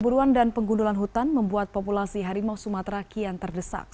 perburuan dan penggundulan hutan membuat populasi harimau sumatera kian terdesak